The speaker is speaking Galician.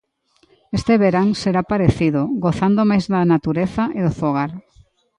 Este verán será parecido, gozando máis da natureza e do fogar.